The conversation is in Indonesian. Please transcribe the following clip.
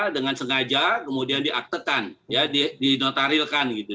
dengan sengaja kemudian diaktekan ya dinotarilkan gitu